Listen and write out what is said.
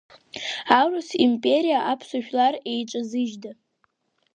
Аурыс империеи аԥсуа жәлари еиҿазыжьда?